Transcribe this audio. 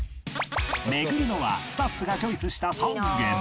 巡るのはスタッフがチョイスした３軒